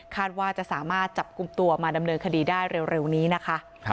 ว่าจะสามารถจับกลุ่มตัวมาดำเนินคดีได้เร็วนี้นะคะ